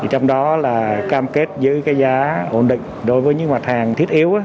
trong đó là cam kết giữ giá ổn định đối với những mặt hàng thiết yếu